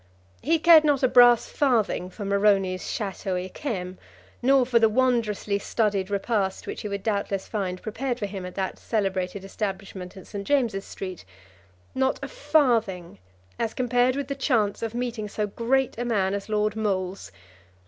He cared not a brass farthing for Moroni's Château Yquem, nor for the wondrously studied repast which he would doubtless find prepared for him at that celebrated establishment in St. James's Street; not a farthing as compared with the chance of meeting so great a man as Lord Moles.